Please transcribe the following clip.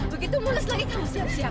begitu mulus lagi kamu siap siap